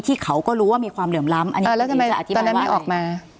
ที่เขาก็รู้ว่ามีความเหลือมล้ำ